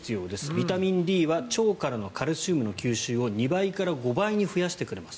ビタミンＤは腸からのカルシウムの吸収を２倍から５倍に増やしてくれます。